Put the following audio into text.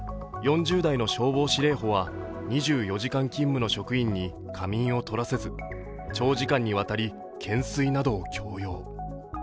４０代の消防司令補は２４時間勤務の職員に仮眠を取らせず長時間にわたり懸垂などを強要。